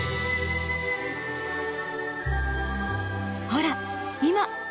ほらっ今！